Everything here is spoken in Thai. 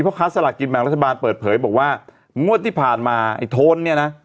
ค้าสลากกินแบ่งรัฐบาลเปิดเผยบอกว่างวดที่ผ่านมาไอ้โทนเนี่ยนะ